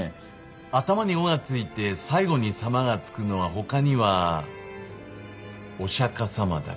頭に「お」が付いて最後に「様」が付くのは他にはお釈迦様だけ。